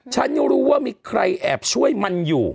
ฉันยังรู้ว่ามีใครแอบช่วยมันอยู่